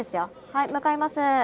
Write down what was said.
はい向かいます。